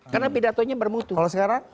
karena pidatonya bermutu kalau sekarang